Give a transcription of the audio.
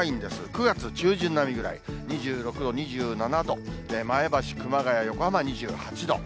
９月中旬並みぐらい、２６度、２７度、前橋、熊谷、横浜２８度。